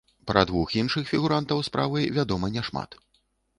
Пра двух іншых фігурантаў справы вядома няшмат.